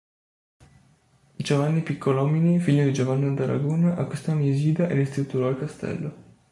Giovanni Piccolomini, figlio di Giovanna d’Aragona, acquistò Nisida e ristrutturò il castello.